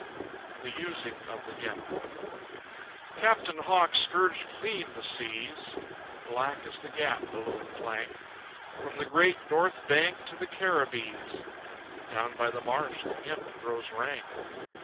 The Using of the Hemp. Captain Hawk scourged clean the seas (Black is the gap below the plank) From the Great North Bank to the Caribbees (Down by the marsh the hemp grows rank).